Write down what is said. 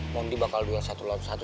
mondi bakal dua satu lawan satu